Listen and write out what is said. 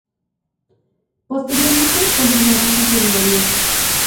Posteriormente continuaron con su rivalidad.